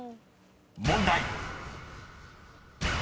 ［問題］